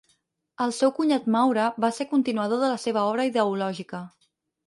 El seu cunyat Maura va ser continuador de la seva obra ideològica.